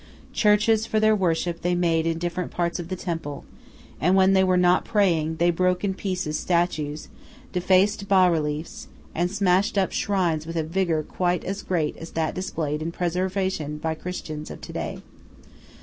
Churches for their worship they made in different parts of the temple, and when they were not praying, they broke in pieces statues, defaced bas reliefs, and smashed up shrines with a vigor quite as great as that displayed in preservation by Christians of to day.